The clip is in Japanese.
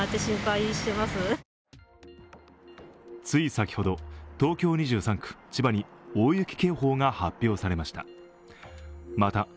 つい先ほど、東京２３区、千葉に大雪警報が発表されました。